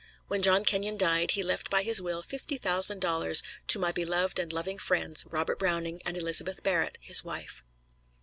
When John Kenyon died he left by his will fifty thousand dollars "to my beloved and loving friends, Robert Browning and Elizabeth Barrett, his wife."